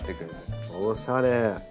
おしゃれ！